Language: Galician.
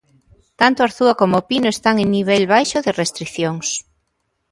Tanto Arzúa como O Pino están en nivel baixo de restricións.